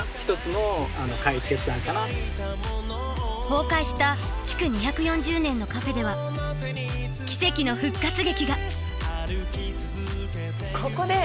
崩壊した築２４０年のカフェでは奇跡の復活劇が。